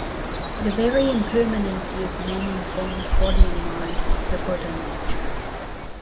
The very impermanency of men and things, body and mind, is the Buddha nature.